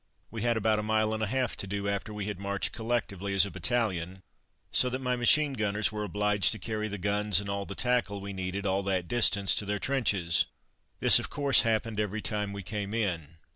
We had about a mile and a half to do after we had marched collectively as a battalion, so that my machine gunners were obliged to carry the guns and all the tackle we needed all that distance to their trenches. This, of course, happened every time we "came in."